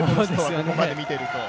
これまでを見ていると。